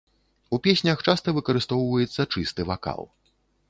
У песнях часта выкарыстоўваецца чысты вакал.